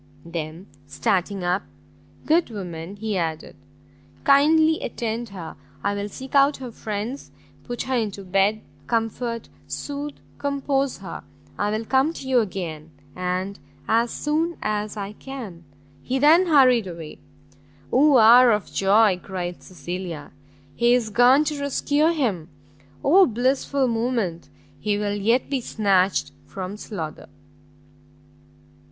Then, starting up, "Good woman," he added, "kindly attend her, I will seek out her friends, put her into bed, comfort, sooth, compose her. I will come to you again, and as soon as I can." He then hurried away. "Oh hour of joy!" cried Cecilia, "he is gone to rescue him! oh blissful moment! he will yet be snatched from slaughter!"